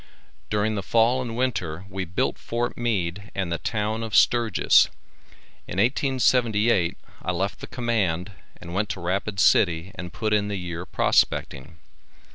During the fall and winter we built Fort Meade and the town of Sturgis. In 1878 I left the command and went to Rapid city and put in the year prospecting.